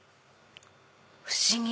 不思議！